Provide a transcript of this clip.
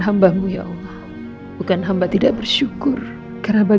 tetapi yang lebih penting adalah